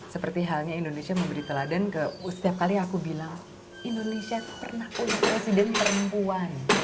seperti halnya indonesia memberi teladan ke setiap kali aku bilang indonesia itu pernah menjadi presiden perempuan